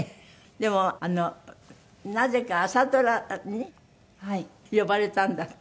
でもあのなぜか朝ドラに呼ばれたんだって？